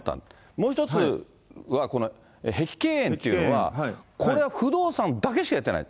もう１つは、この碧桂園っていうのは、これは不動産だけしかやってない。